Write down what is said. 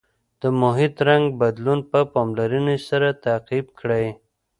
د محیط رنګ بدلون په پاملرنې سره تعقیب کړئ.